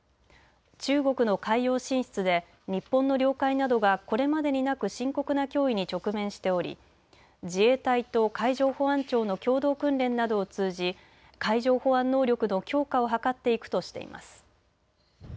中国の海洋進出で日本の領海などがこれまでになく深刻な脅威に直面しており自衛隊と海上保安庁の共同訓練などを通じ海上保安能力の強化を図っていくとしています。